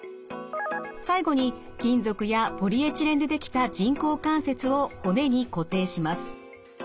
最後に金属やポリエチレンでできた人工関節を骨に固定します。